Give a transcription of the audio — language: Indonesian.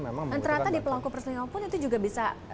memang ternyata di pelangkuk perselingkuhan pun itu juga bisa